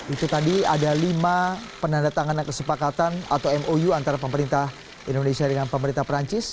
itu tadi ada lima penandatanganan kesepakatan atau mou antara pemerintah indonesia dengan pemerintah perancis